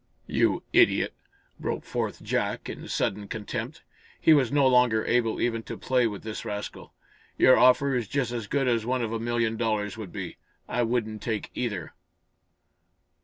"You idiot!" broke forth Jack, in sudden contempt. He was no longer able even to play with this rascal. "Your offer is just as good as one of a million dollars would be. I wouldn't take either!"